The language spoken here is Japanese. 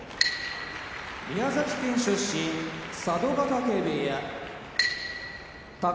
宮崎県出身佐渡ヶ嶽部屋宝